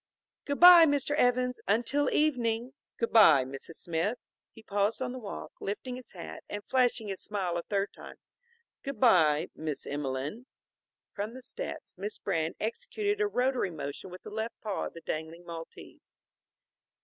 "Good by, Mr. Evans, until evening." "Good by, Mrs. Smith." He paused on the walk, lifting his hat and flashing his smile a third time. "Good by, Miss Emelene." From the steps Miss Brand executed a rotary motion with the left paw of the dangling Maltese.